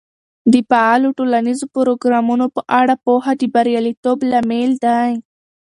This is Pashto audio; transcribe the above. د فعالو ټولنیزو پروګرامونو په اړه پوهه د بریالیتوب لامل دی.